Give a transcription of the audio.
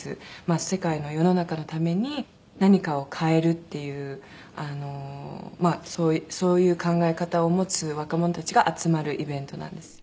世界の世の中のために何かを変えるっていうそういう考え方を持つ若者たちが集まるイベントなんですよね。